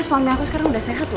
suami aku sekarang udah sehat loh